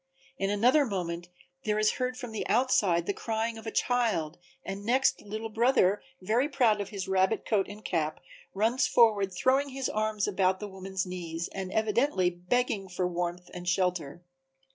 In another moment there is heard from the outside the crying of a child and next "Little Brother," very proud of his rabbit coat and cap, runs forward throwing his arms about the woman's knees and evidently begging for warmth and shelter.